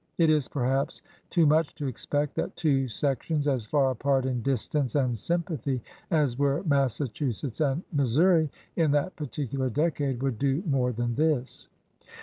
It is, perhaps, too much to expect that two sections as far apart in distance and sympathy as were Massachusetts and Mis souri in that particular decade would do more than this.